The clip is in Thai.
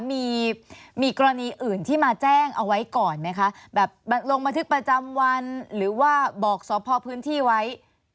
มีมีกรณีอื่นที่มาแจ้งเอาไว้ก่อนไหมคะแบบลงบันทึกประจำวันหรือว่าบอกสพพื้นที่ไว้